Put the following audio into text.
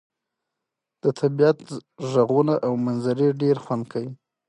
د طبيعت ږغونه او منظرې ډير خوند کوي.